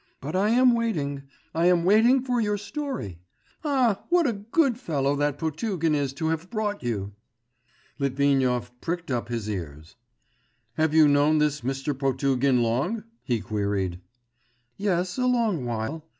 But I am waiting.... I am waiting for your story.... Ah, what a good fellow that Potugin is to have brought you!' Litvinov pricked up his ears. 'Have you known this Mr. Potugin long?' he queried. 'Yes, a long while